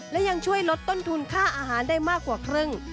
และยังช่วยลดต้นทุนค่าอาหารได้มากกว่าครึ่ง